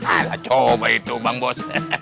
ayolah coba itu bang bos